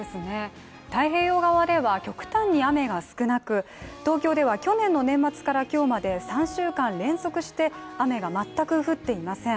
太平洋側では極端に雨が少なく東京では、去年の年末から今日まで３週間連続して雨が全く降っていません。